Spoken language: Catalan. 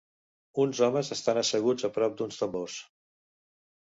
Uns homes estan asseguts a prop d'uns tambors.